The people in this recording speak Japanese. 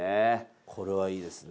これはいいですね。